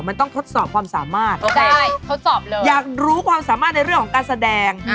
มันต้องทดสอบความสามารถอยากรู้ความสามารถในเรื่องของการแสดง